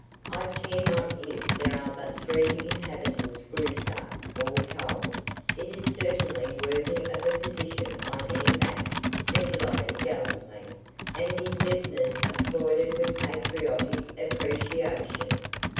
"I care not if there are but three inhabitants Graustark, all told, it is certainly worthy of a position on any map," said Lorry, gallantly; and his listeners applauded with patriotic appreciation.